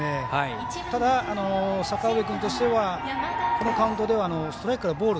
ただ、阪上君としてはこのカウントではストライクからボール。